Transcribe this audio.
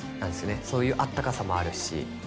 そういうあったかさもあるし。